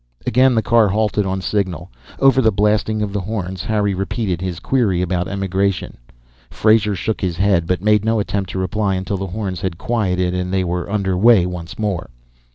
Again the car halted on signal. Over the blasting of the horns, Harry repeated his query about emigration. Frazer shook his head, but made no attempt to reply until the horns had quieted and they were under way once more.